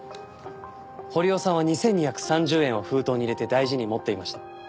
堀尾さんは２２３０円を封筒に入れて大事に持っていました。